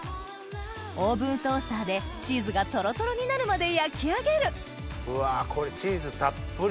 オーブントースターでチーズがトロトロになるまで焼き上げるうわこれチーズたっぷり。